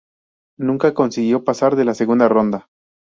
Nunca consiguió pasar de la segunda ronda.